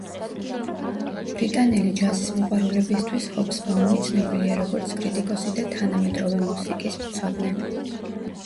ბრიტანელი ჯაზის მოყვარულებისთვის ჰობსბაუმი ცნობილია, როგორც კრიტიკოსი და თანამედროვე მუსიკის მცოდნე.